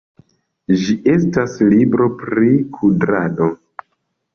Ĝi estas libro pri kudrado.